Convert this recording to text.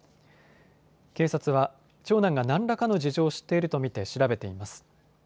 警察は長男が何らかの事情を知っていると見て調べています。